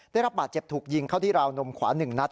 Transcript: ได้รับบาดเจ็บถูกยิงเข้าที่ราวนมขวา๑นัด